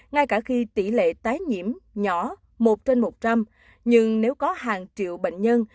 ngay cả khi tỷ lệ tái nhiễm nhỏ một trên một trăm linh nhưng nếu có hàng triệu bệnh nhân